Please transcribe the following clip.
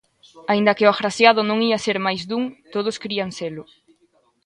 Aínda que o agraciado non ía ser máis dun, todos crían selo.